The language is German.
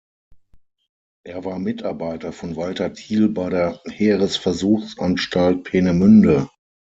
Er war Mitarbeiter von Walter Thiel bei der Heeresversuchsanstalt Peenemünde.